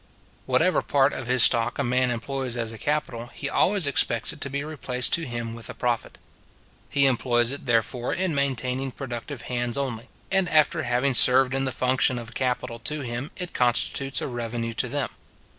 Whatever part of his stock a man employs as a capital, he always expects it to be replaced to him with a profit. He employs it, therefore, in maintaining productive hands only; and after having served in the function of a capital to him, it constitutes a revenue to them.